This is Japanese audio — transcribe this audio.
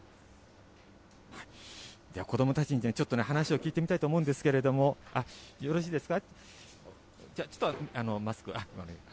では子どもたちにちょっと、話を聞いてみたいと思うんですけれども、よろしいですか？